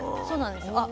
そうなんです。